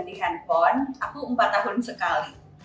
biasanya kalau ganti handphone aku empat tahun sekali